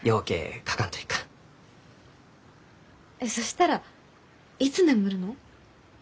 えそしたらいつ眠るの？